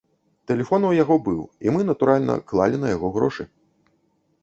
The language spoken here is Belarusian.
Тэлефон у яго быў, і мы, натуральна, клалі на яго грошы.